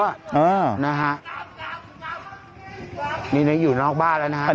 อ้าวนะฮะนี่อยู่นอกบ้านแล้วนะฮะ